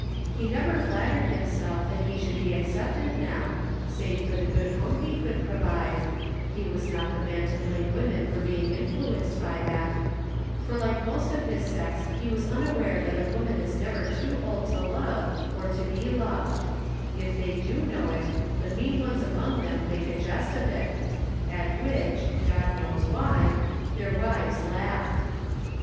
He never flattered himself that he could be accepted now, save for the good home he could provide (he was not the man to blame women for being influenced by that), for like most of his sex he was unaware that a woman is never too old to love or to be loved; if they do know it, the mean ones among them make a jest of it, at which (God knows why) their wives laugh.